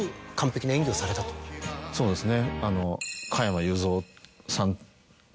そうですね。